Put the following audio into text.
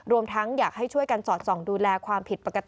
รวมทั้งอยากให้ช่วยกันสอดเจาะดูแลความผิดปกติของสัตว์